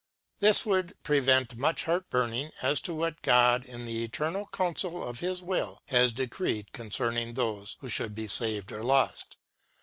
This would prevent much heart burning as to what God in the eternal counsel of His will has decreed concerning those who should be saved or lost.